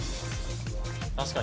確かに。